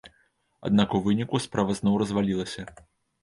Аднак у выніку справа зноў развалілася.